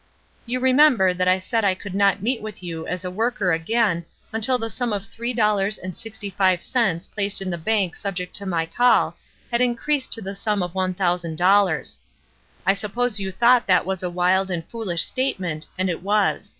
You remember that I said I could not meet with you as a worker again until the sum of three dollars and sixty five cents placed in the bank subject to my call had "SOMETHING PORTENTOUS" 427 increased to the sum of one thousand dollars. I suppose you thought that was a wild and foolish statement, and it was.